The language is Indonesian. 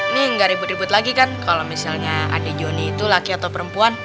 nih gak ribet ribet lagi kan kalau misalnya adik joni itu laki atau perempuan